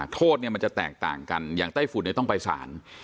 โทษเนี่ยมันจะแตกต่างกันอย่างไต้ฝุ่นเนี่ยต้องไปสาร